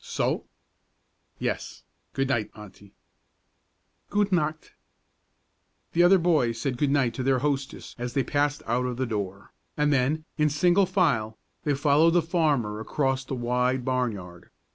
"So?" "Yes. Good night, auntie." "Gute nacht!" The other boys said good night to their hostess as they passed out of the door, and then, in single file, they followed the farmer across the wide barn yard.